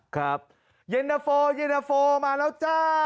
ครับเยนเตอร์โฟมาแล้วจ้า